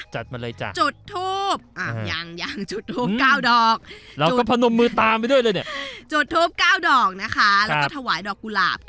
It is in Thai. จุดภูมิ๐๙แล้วก็ถวาย๙ดอก